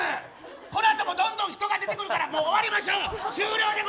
このあともどんどん人が出てくるから終わりましょう。